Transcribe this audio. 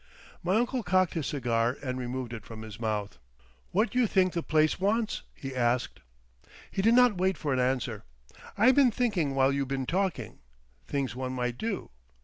My uncle cocked his cigar and removed it from his mouth. "What you think the place wants?" he asked. He did not wait for an answer. "I been thinking while you been talking—things one might do.